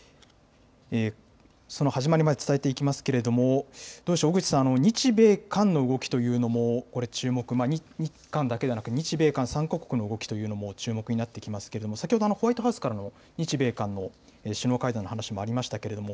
その始まりまでお伝えしていきますけれども、どうでしょう、小口さん、日米韓の動きというのも、これ注目、日韓だけではなく、日米韓３か国の動きというのも注目になってきますけれども、先ほどホワイトハウスからの日米韓の首脳会談の話もありましたけれども、